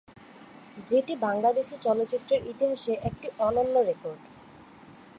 যেটি বাংলাদেশি চলচ্চিত্রের ইতিহাসে একটি অনন্য রেকর্ড।